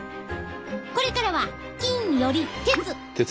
これからは金より鉄！